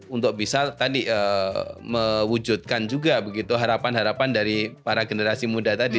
untuk bisa tadi mewujudkan juga begitu harapan harapan dari para generasi muda tadi